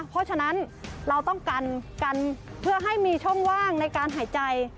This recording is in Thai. เพราะฉะนั้นเราต้องกันเพื่อให้มีช่องว่างในการหายใจ